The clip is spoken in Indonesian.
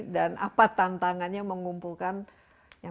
dan apa tantangannya mengumpulkan yang lebih banyak